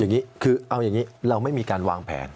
อย่างนี้คือเอาอย่างนี้เราไม่มีการวางแผน